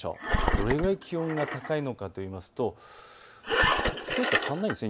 どれぐらい気温が高いのかといいますときょうと変わらないです。